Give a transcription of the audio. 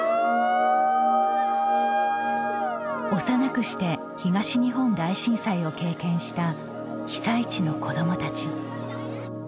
幼くして東日本大震災を経験した、被災地の子どもたち。